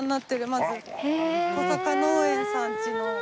まず小坂農園さんちの。